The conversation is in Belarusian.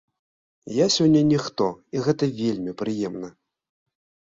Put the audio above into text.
Я сёння ніхто, і гэта вельмі прыемна.